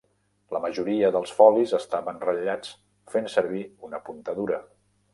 La majoria dels folis estaven ratllats fent servir una punta dura.